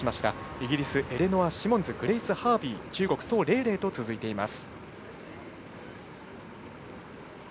イギリスのエレノア・シモンズグレイス・ハービー中国の宋玲玲と続いています。